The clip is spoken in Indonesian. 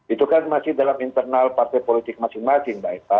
itu kan masih dalam internal partai politik masing masing mbak eva